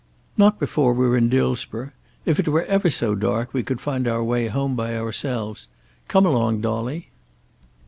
"Not before we're in Dillsborough. If it were ever so dark we could find our way home by ourselves. Come along, Dolly."